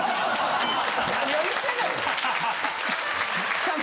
何を言うてんねん！